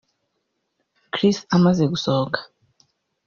Chris amaze gusohoka